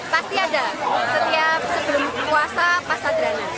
pasti ada setiap sebelum puasa pas sadrana